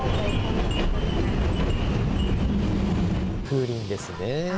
風鈴ですね。